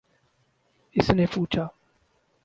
اس نے پوچھا